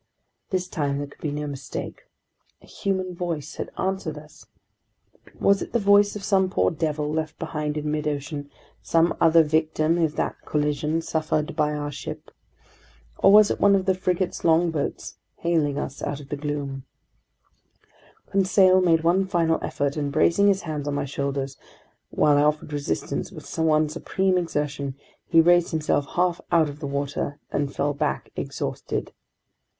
This time there could be no mistake! A human voice had answered us! Was it the voice of some poor devil left behind in midocean, some other victim of that collision suffered by our ship? Or was it one of the frigate's longboats, hailing us out of the gloom? Conseil made one final effort, and bracing his hands on my shoulders, while I offered resistance with one supreme exertion, he raised himself half out of the water, then fell back exhausted.